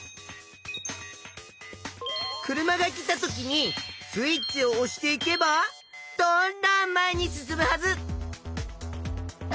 車が来たときにスイッチをおしていけばどんどん前に進むはず！